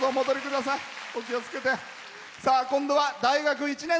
今度は大学１年。